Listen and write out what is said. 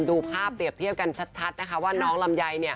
ดูภาพเปรียบเทียบกันชัดนะคะว่าน้องลำไย